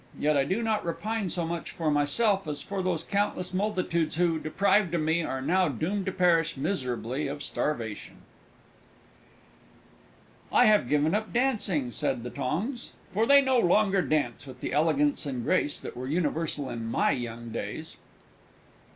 "Yet I do not repine so much for myself as for those countless multitudes who, deprived of me, are now doomed to perish miserably of starvation!" "I have given up dancing," said the Tongs, "for they no longer dance with the Elegance and Grace that were universal in my young days!"